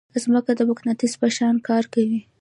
ځمکه د مقناطیس په شان کار کوي.